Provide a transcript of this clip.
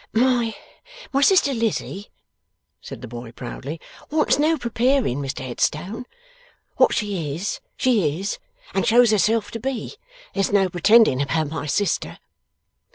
'My sister Lizzie,' said the boy, proudly, 'wants no preparing, Mr Headstone. What she is, she is, and shows herself to be. There's no pretending about my sister.